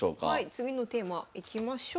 次のテーマいきましょう。